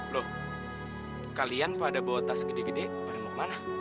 loh kalian pada bawa tas gede gede pada mau kemana